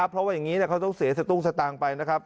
เพราะว่าอย่างนี้เขาต้องเสียสตุ้งสตางค์ไปนะครับ